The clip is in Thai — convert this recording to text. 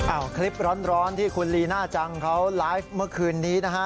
คลิปร้อนที่คุณลีน่าจังเขาไลฟ์เมื่อคืนนี้นะฮะ